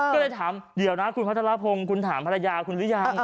ก็เลยถามเดี๋ยวนะคุณพัทรพงศ์คุณถามภรรยาคุณหรือยัง